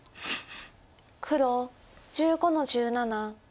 黒１５の十七。